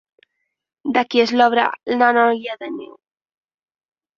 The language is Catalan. De qui és l'obra La noia de neu?